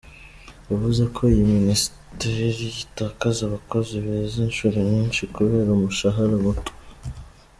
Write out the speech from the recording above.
Yavuze ko iyi minisiteri itakaza abakozi beza inshuro nyinshi kubera umushahara muto.